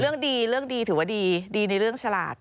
เรื่องดีเรื่องดีถือว่าดีดีในเรื่องฉลาด